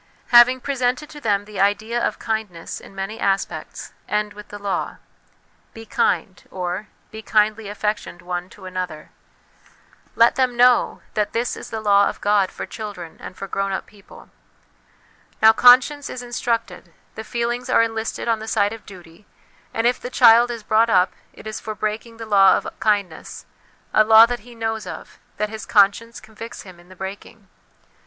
Having presented to them the idea of kindness in many aspects, end with the law: Be kind, or, "Be kindly affectioned one to another." Let them know that 340 HOME EDUCATION this is the law of God for children and for grown up people. Now, conscience is instructed, the feelings are enlisted on the side of duty, and if the child is brought up, it is for breaking the law of kindness, a law that he knows of, that his conscience convicts him in the breaking.